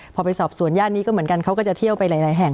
พอไปสอบสวนย่านนี้ก็เหมือนกันเขาก็จะเที่ยวไปหลายแห่ง